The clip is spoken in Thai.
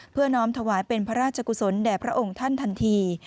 น้อมถวายเป็นพระราชกุศลแด่พระองค์ท่านทันที